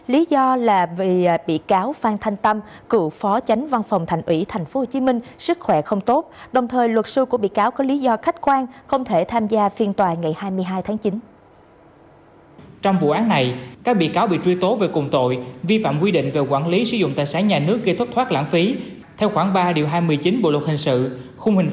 lý do là vì bị cáo phan thanh tâm cựu phó chánh văn phòng thành ủy tp hcm sức khỏe không tốt đồng thời luật sư của bị cáo có lý do khách quan không thể tham gia phiên tòa ngày hai mươi hai tháng chín